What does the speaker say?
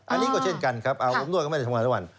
อันนี้ก็เช่นกันครับอาบอบนวดก็ไม่ได้ทำงานทุกวัน